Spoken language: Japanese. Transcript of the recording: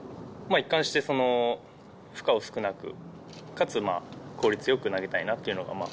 一貫して負荷を少なく、かつ効率よく投げたいなっていうのが。